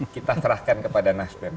kita serahkan kepada nasdem